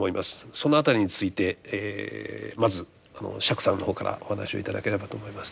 その辺りについてまず釈さんの方からお話を頂ければと思います。